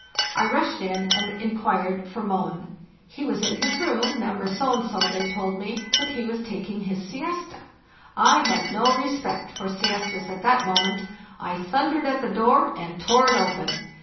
I rushed in and inquired for Mohn. He was in his room, number so and so, they told me, but he was taking his siesta) I had no respect for siestas at that moment; I thundered at the door and tore it open.